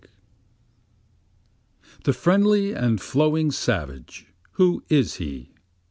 39 The friendly and flowing savage, who is he?